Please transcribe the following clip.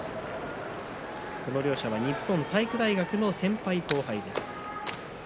この両者は日本体育大学の先輩後輩です。